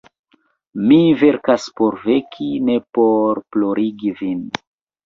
Mi verkas por veki, ne por plorigi vin.